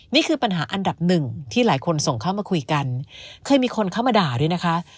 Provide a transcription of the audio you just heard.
นี่คือปัญหาอันดับหนึ่งที่หลายคนส่งเข้ามาคุยกันเคยมีคนเข้ามาด่าด้วยนะคะ